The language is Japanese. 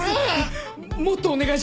もっとお願いします。